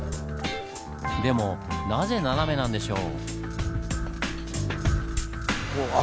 でもなぜ斜めなんでしょう？